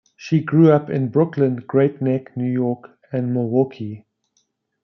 She grew up in Brooklyn, Great Neck, New York, and Milwaukee.